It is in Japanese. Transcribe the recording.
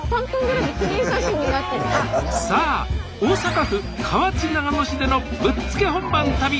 さあ大阪府河内長野市でのぶっつけ本番旅。